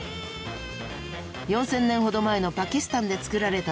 ４０００年ほど前のパキスタンで作られたという「土偶」。